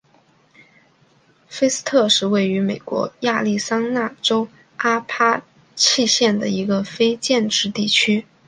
菲斯特是位于美国亚利桑那州阿帕契县的一个非建制地区。